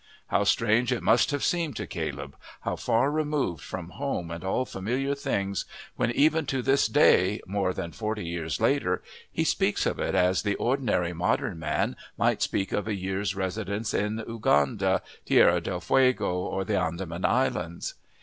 How strange it must have seemed to Caleb, how far removed from home and all familiar things, when even to this day, more than forty years later, he speaks of it as the ordinary modern man might speak of a year's residence in Uganda, Tierra del Fuego, or the Andaman Islands!